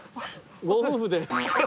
ご夫婦で。